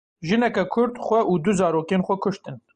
Jineke Kurd xwe û du zarokên xwe kuştin.